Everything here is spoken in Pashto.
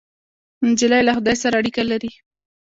نجلۍ له خدای سره اړیکه لري.